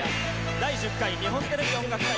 第１０回日本テレビ音楽祭